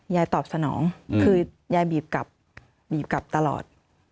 ยายตอบสนองคือยายบีบกลับบีบกลับตลอด